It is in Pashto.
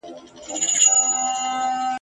که زړه ماتی بې اسرې ورور چېرته وویني زموږ پلونه ..